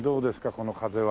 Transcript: この風は。